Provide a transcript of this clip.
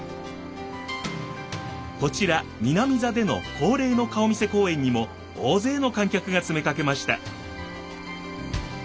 こちら南座での恒例の顔見世公演にも大勢の観客が詰めかけました。